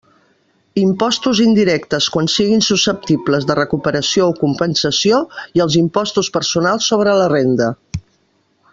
Impostos indirectes quan siguin susceptibles de recuperació o compensació i els impostos personals sobre la renda.